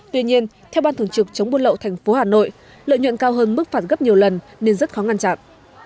tuy nhiên theo ban thường trực chống buôn lậu thành phố hà nội lợi nhuận cao hơn mức phạt gấp nhiều lần nên rất khó ngăn chặn